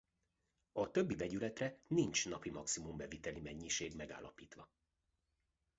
A többi vegyületre nincs napi maximum beviteli mennyiség megállapítva.